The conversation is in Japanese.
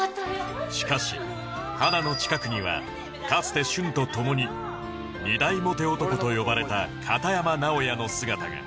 しかし花の近くにはかつて舜と共に２大モテ男と呼ばれた片山直哉の姿が